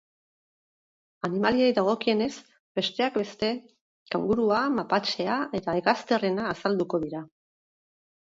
Animaliei dagokienez, besteak beste, kangurua, mapatxea eta hegazterrena azalduko dira.